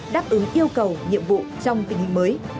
đáp ứng yêu cầu nhiệm vụ trong tình hình mới